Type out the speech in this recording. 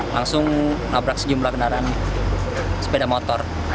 langsung nabrak sejumlah kendaraan sepeda motor